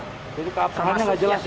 itu keabsahannya nggak jelas ya